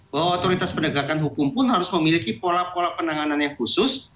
bahwa otoritas penegakan hukum pun harus memiliki pola pola penanganan yang khusus